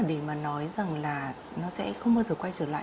để mà nói rằng là nó sẽ không bao giờ quay trở lại